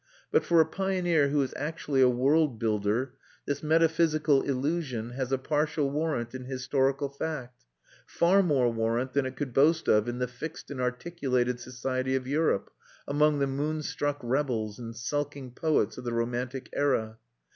But for a pioneer who is actually a world builder this metaphysical illusion has a partial warrant in historical fact; far more warrant than it could boast of in the fixed and articulated society of Europe, among the moonstruck rebels and sulking poets of the romantic era.